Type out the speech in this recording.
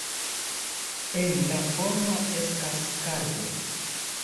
En la forno estas karbo.